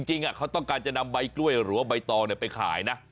จริงเขาต้องการจะนำใบกล้วยหรือว่าใบตองไปขายนะ